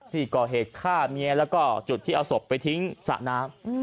ที่ก่อเหตุฆ่าเมียแล้วก็จุดที่เอาศพไปทิ้งสระน้ำ